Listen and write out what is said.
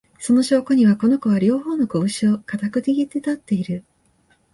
その証拠には、この子は、両方のこぶしを固く握って立っている